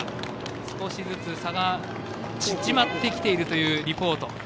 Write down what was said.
少しずつ差が縮まってきているというリポート。